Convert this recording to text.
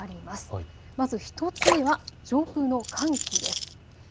まず１つ目は上空の寒気です。